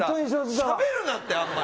しゃべるなって、あんまり。